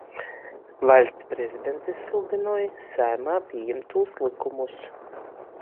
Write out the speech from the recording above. Vaļsts Prezidents izsludynoj Saeimā pījimtūs lykumus